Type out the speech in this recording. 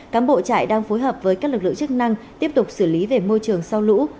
cám bộ trại đang phối hợp với các lực lượng chức năng tiếp tục xử lý về môi trường sau lũ